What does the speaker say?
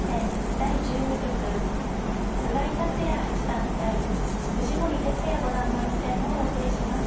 第１２局菅井竜也八段対藤森哲也五段の一戦をお送りします。